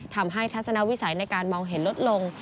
ทำให้ทัศนวิสัยในการมองเห็นรถลง